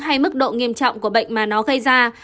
hay mức độ nghiêm trọng của bệnh mà nó gây ra